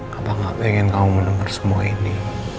papa gak pengen kamu mendengar semua ini